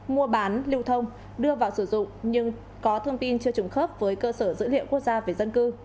mua bán lưu thông đưa vào sử dụng nhưng có thông tin chưa trùng khớp với cơ sở dữ liệu quốc gia về dân cư